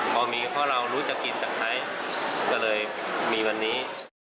พอมีเพราะเรารู้จะกินจากใครก็เลยมีวันนี้